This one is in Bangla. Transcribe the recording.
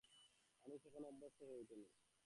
আনিস এখনো অভ্যস্ত হয়ে ওঠেনি।